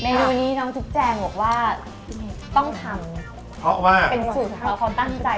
นูนี้น้องจุ๊กแจงบอกว่าต้องทำเพราะว่าเป็นสูตรของเขาความตั้งใจ